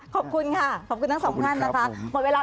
ขอบคุณค่ะขอบคุณทั้งสองท่านนะคะหมดเวลา